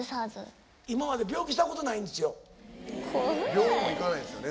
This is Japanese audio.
病院も行かないんですよね